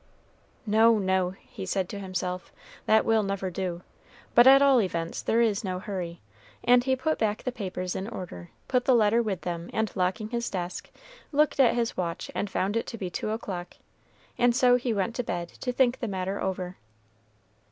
"No, no," he said to himself, "that will never do; but at all events there is no hurry," and he put back the papers in order, put the letter with them, and locking his desk, looked at his watch and found it to be two o'clock, and so he went to bed to think the matter over.